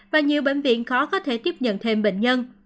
và nhiều bệnh viện khó có thể tiếp nhận thêm bệnh nhân